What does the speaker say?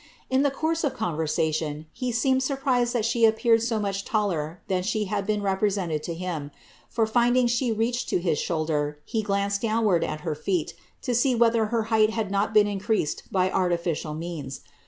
In the course of conversation, he seemed sur prised that she appeared so much taller than she had been represented to him ; for, finding she reached to his shoulder, he glanced downward at her feet, to see whether her height had not been increased by artificial means.